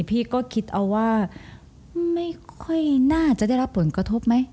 พี่ก็คิดเอาว่าไม่ค่อยน่าจะได้รับผลกระทบไหม